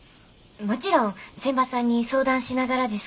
もちろん仙波さんに相談しながらですけど。